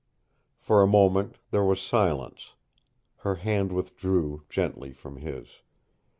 For a moment there was silence. Her hand withdrew gently from his.